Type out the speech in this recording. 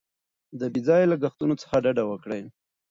د بې ځایه لګښتونو څخه ډډه وکړئ.